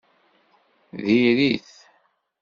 Diri-t!